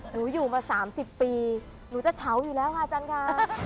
หนูอยู่มา๓๐ปีหนูจะเฉาอยู่แล้วค่ะอาจารย์ค่ะ